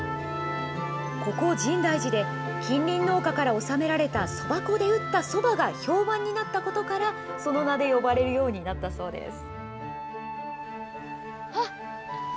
ここ、深大寺で、近隣農家から納められたそば粉で打ったそばが評判になったことから、その名で呼ばれるようになったそうです。